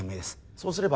そうすれば